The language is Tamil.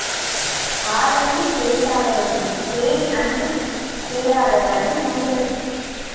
ஆள் அண்டிப் பேசாதவனும் செடி அண்டிப் பேளாதவனும் ஒன்று.